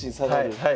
はい。